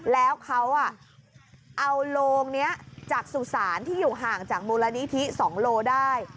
แล้วเขาเอาโลงนี้จากสุสานที่อยู่ห่างจากมูลนิธิ๒โลได้